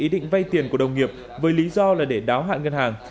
ý định vay tiền của đồng nghiệp với lý do là để đáo hạn ngân hàng